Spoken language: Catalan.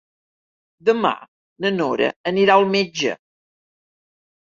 Demà na Nora anirà al metge.